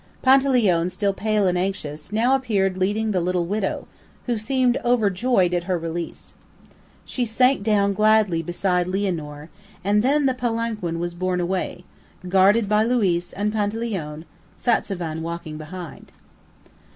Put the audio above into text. Panteleone, still pale and anxious, now appeared leading the little widow, who seemed overjoyed at her release. She sank down gladly beside Lianor, and then the palanquin was borne away, guarded by Luiz and Panteleone, Satzavan walking behind.